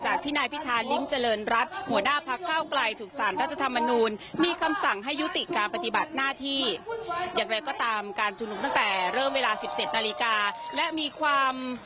มันไม่ใช่สิ่งที่สมเหตุสมผมเลยครับ